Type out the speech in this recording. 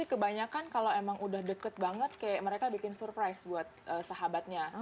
jadi kebanyakan kalau emang udah deket banget kayak mereka bikin surprise buat sahabatnya